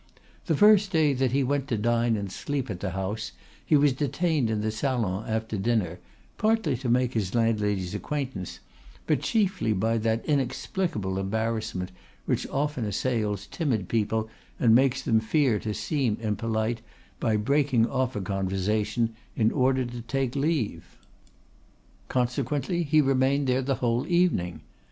The first day that he went to dine and sleep at the house he was detained in the salon after dinner, partly to make his landlady's acquaintance, but chiefly by that inexplicable embarrassment which often assails timid people and makes them fear to seem impolite by breaking off a conversation in order to take leave. Consequently he remained there the whole evening.